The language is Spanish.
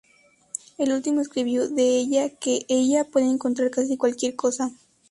El último escribió de ella que ""ella puede encontrar casi cualquier cosa"".